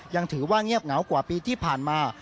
ยังถือว่าเงียบเหงากว่าปีที่ผ่านมา